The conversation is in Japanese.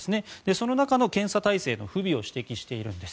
その中の検査体制の不備を指摘しているんです。